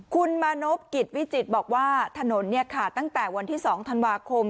คุณมานพกิจวิจิตรบอกว่าถนนตั้งแต่วันที่๒ธันวาคม